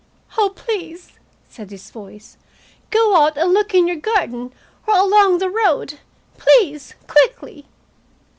"Oh, please," said this voice, "go out and look in your garden, or along the road. Please quickly!"